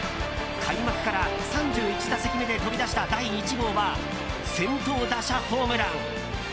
開幕から３１打席目で飛び出した第１号は先頭打者ホームラン。